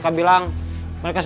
tapi tunggu dulu